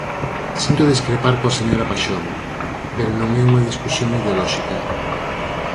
Sinto discrepar coa señora Paxón, pero non é unha discusión ideolóxica.